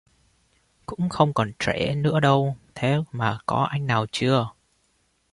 Cũng không còn trẻ nữa đâu thế mà có anh nào chưa